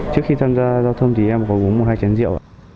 trước khi tham gia giao thông thì em có uống một hai chén rượu ạ